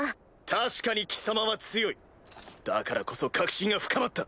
確かに貴様は強いだからこそ確信が深まった。